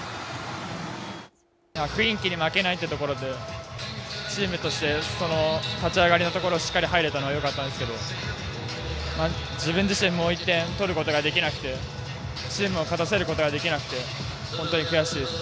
雰囲気に負けないというところと、チームとして立ち上がりのところ、しっかり入れたのはよかったですけれども自分自身、もう一点とることができなくてチームを勝たせることができなくて本当に悔しいです。